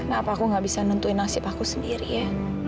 kenapa aku nggak bisa nentuin nasib aku sendiri ya